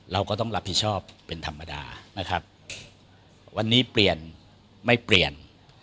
เราก็ต้องรับผิดชอบเป็นธรรมดานะครับวันนี้เปลี่ยนไม่เปลี่ยน